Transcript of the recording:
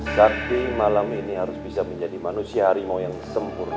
tapi malam ini harus bisa menjadi manusia harimau yang sempurna